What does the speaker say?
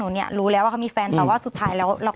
เดี๋ยวตอนนี้พูดเก่ง